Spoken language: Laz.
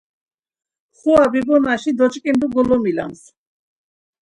Xura bibonaşi doçkindu golomilams.